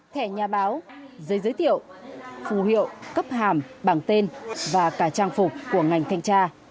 thẻ nhà báo giấy giới thiệu phù hiệu cấp hàm bảng tên và cả trang phục của ngành thanh tra